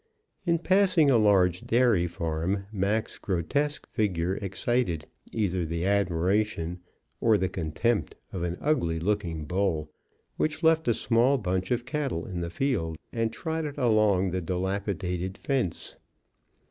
In passing a large dairy farm, Mac's grotesque figure excited either the admiration or the contempt of an ugly looking bull, which left a small bunch of cattle in the field and trotted along the dilapidated fence.